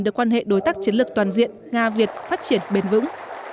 để quan hệ đối tác chiến lược toàn diện nga việt phát triển bền vững